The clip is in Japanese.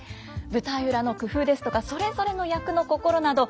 舞台裏の工夫ですとかそれぞれの役の心など